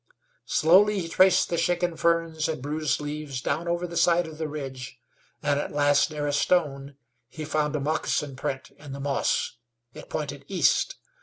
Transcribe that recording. Slowly he traced the shaken ferns and bruised leaves down over the side of the ridge, and at last, near a stone, he found a moccasin print in the moss. It pointed east.